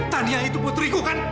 tania itu putriku kan